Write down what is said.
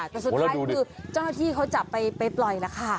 แต่สุดท้ายคือเจ้าหน้าที่เขาจับไปปล่อยแล้วค่ะ